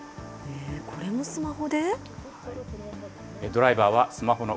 これもスマホで？